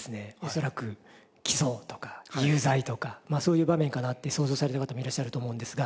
恐らく起訴とか有罪とかまあそういう場面かなって想像された方もいらっしゃると思うんですが。